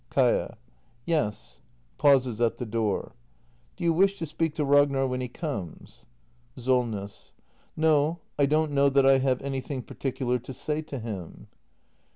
Kaia. Yes. [Pauses at the door] Do you wish to speak to Ragnar when he comes ? Solness. No — I don't know that I have anything particular to say to him.